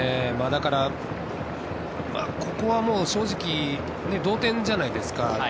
だからここはもう正直、同点じゃないですか。